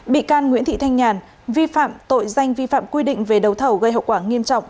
bị can nguyễn thị thanh nhàn vi phạm tội danh vi phạm quy định về đấu thầu gây hậu quả nghiêm trọng